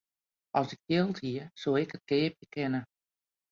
As ik jild hie, soe ik it keapje kinne.